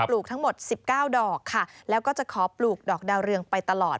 ลูกทั้งหมด๑๙ดอกค่ะแล้วก็จะขอปลูกดอกดาวเรืองไปตลอด